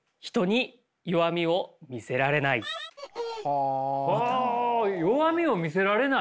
ああ弱みを見せられない。